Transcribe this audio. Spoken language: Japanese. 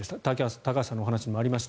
高橋さんのお話にもありました。